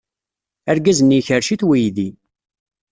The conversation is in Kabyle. Argaz-nni ikerrec-it weydi.